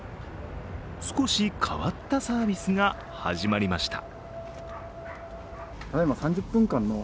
少し変わったサービスが始まりました。